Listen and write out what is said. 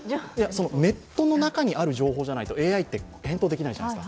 ネットの中にある情報じゃないとＡＩって返答できないじゃないですか。